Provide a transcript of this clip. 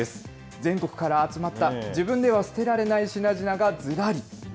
全国から集まった自分では捨てられない品々がずらり。